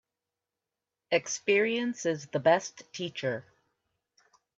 Experience is the best teacher.